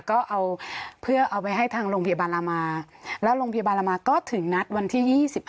ก็เอาเพื่อเอาไปให้ทางโรงพยาบาลลามาแล้วโรงพยาบาลลามาก็ถึงนัดวันที่๒๕